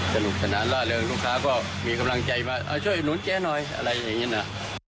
สนุกสนานล่ะเลยลูกค้าก็มีกำลังใจมาช่วยหนุนแก่หน่อยอะไรอย่างเงี้ยนอ่ะ